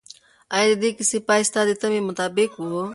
آیا د دې کیسې پای ستا د تمې مطابق و؟